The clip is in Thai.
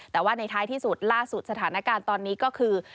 แต่ว่าในท้ายที่สุดล่าสุดสถานการณ์ตอนนี้ก็คือ